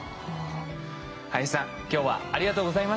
林さん今日はありがとうございました。